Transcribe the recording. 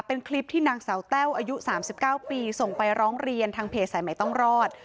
เป็นคลิปที่นางสาวแต้วอายุ๓๙ปีส่งไปร้องเรียนทางเพจสายใหม่ต้องรอด